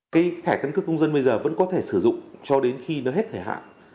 cái thẻ căn cước công dân bây giờ vẫn có thể sử dụng cho đến khi nó hết thời hạn